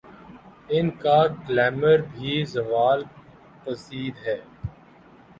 ان کا گلیمر بھی زوال پذیر ہے۔